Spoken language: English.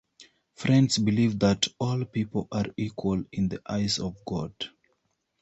Friends believe that all people are equal in the eyes of God.